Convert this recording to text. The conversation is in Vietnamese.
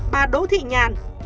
bà đỗ thị nhàn